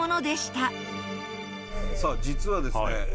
さあ実はですね